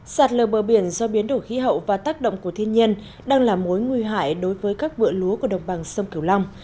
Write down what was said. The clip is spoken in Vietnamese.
sạt lờ bờ biển do biến đổi khí hậu và tác động của thiên nhiên đang là mối nguy hại đối với các vựa lúa của đồng bằng sông kiều long